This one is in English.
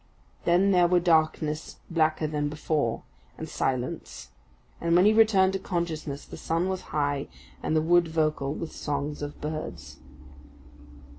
Then there were darkness blacker than before, and silence; and when he returned to consciousness the sun was high and the wood vocal with songs of birds.